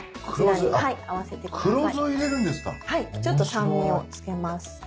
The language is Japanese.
ちょっと酸味を付けます。